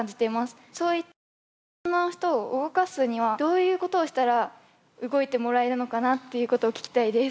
そういった周りの大人の人を動かすにはどういうことをしたら動いてもらえるのかなっていうことを聞きたいです。